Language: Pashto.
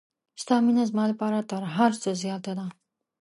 ستا مینه زما لپاره تر هر څه زیاته ده.